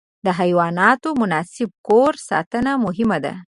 د حیواناتو مناسب کور ساتنه مهمه ده.